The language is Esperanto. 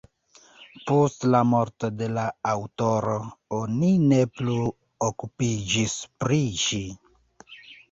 Post la morto de la aŭtoro, oni ne plu okupiĝis pri ĝi.